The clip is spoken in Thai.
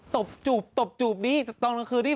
ตบจูบตบจูบตอนเมืองคืนี้